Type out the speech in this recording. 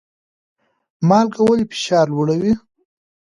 مالګه ولې فشار لوړوي؟